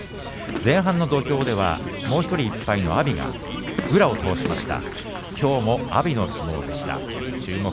前半の土俵では、もう１人１敗の阿炎が宇良を倒しました。